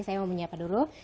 saya mau menyiapkan dulu